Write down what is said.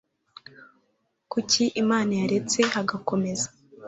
kuki imana yaretse hagakomeza